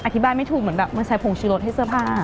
อธิบายไม่ถูกเหมือนแบบเหมือนใส่ผงชีรสให้เสื้อผ้า